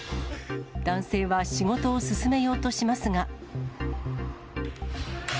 男性は仕事を進めようとしますが。